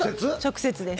直接です。